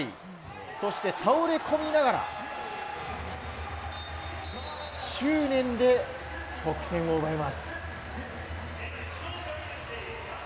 そして倒れ込みながら、執念で得点を奪います。